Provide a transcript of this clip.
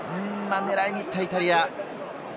狙いに行ったイタリア。